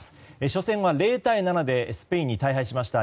初戦は０対７でスペインに大敗しました。